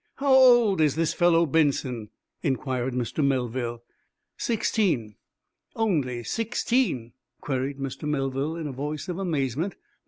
"How old is this fellow Benson?" inquired Mr. Melville. "Sixteen." "Only sixteen?" queried Mr. Melville, in a voice of amazement.